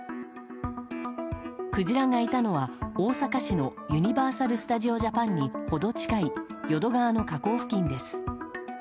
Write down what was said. クジラがいたのは大阪市のユニバーサル・スタジオ・ジャパンに程近い淀川の河口付近です。